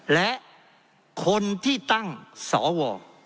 และคนที่ตั้งสว